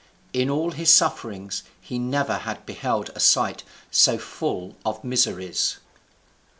In all his sufferings he never had beheld a sight so full of miseries.